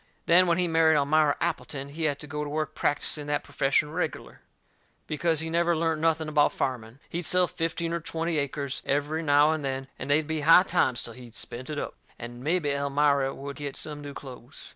Then, when he married Elmira Appleton, he had to go to work practising that perfession reg'lar, because he never learnt nothing about farming. He'd sell fifteen or twenty acres, every now and then, and they'd be high times till he'd spent it up, and mebby Elmira would get some new clothes.